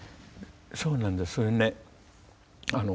そうなんです。